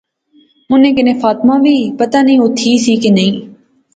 انیں کنے فاطمہ وی۔۔۔ پتہ نی او تھی سی کہ نہسی